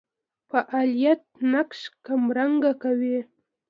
فاعلیت نقش کمرنګه کوي.